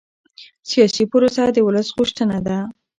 سیاسي پروسه د ولس غوښتنه ده